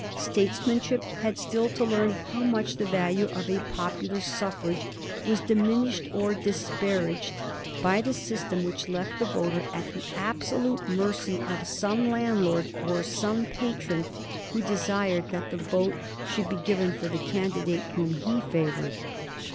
Statesmanship had still to learn how much the value of a popular suffrage was diminished or disparaged by the system which left the voter at the absolute mercy of some landlord or some patron who desired that the vote should be given for the candidate whom he favored.